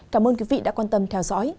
cảm ơn quý vị đã quan tâm theo dõi